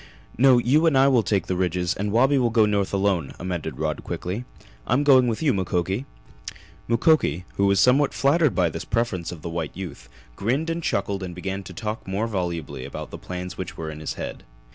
"No, you and I will take the ridges and Wabi will go north alone," amended Rod quickly. "I'm going with you, Mukoki!" Mukoki, who was somewhat flattered by this preference of the white youth, grinned and chuckled and began to talk more volubly about the plans which were in his head.